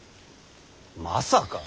まさか！